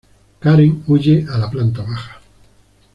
Karen huye a la planta baja.